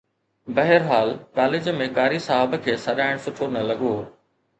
بهرحال ڪاليج ۾ قاري صاحب کي سڏائڻ سٺو نه لڳو